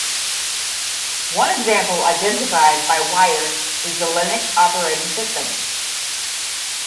One example identified by "Wired" is the Linux operating system.